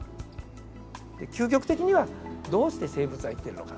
究極的にはどうして生物は生きてるのか。